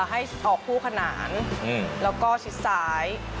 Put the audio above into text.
ให้ออกคู่ขนานแล้วก็ชิดซ้าย